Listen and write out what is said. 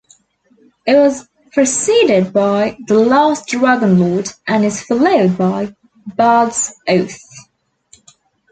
It was preceded by "The Last Dragonlord", and is followed by "Bard's Oath".